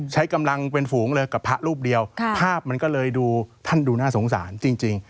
ใช้กำลังเป็นฝูงเลยกับพระรูปเดียวภาพมันก็เลยดูท่านดูน่าสงสารจริง